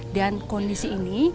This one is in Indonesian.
dan kondisi ini